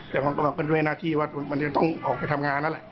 แต่มันก็เป็นเรื่องหน้าที่ว่ามันจะต้องออกไปทำงาน